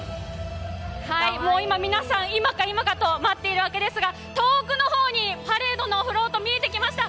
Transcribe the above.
今、皆さん今か今かと待っているわけですが、遠くの方にパレードのフロート見えてきました。